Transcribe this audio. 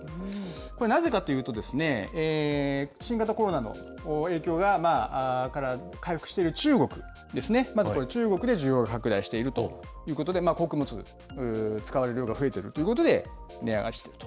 これ、なぜかというと、新型コロナの影響から回復している中国ですね、まず、中国で需要が拡大しているということで、穀物使われる量が増えているということで値上がりしていると。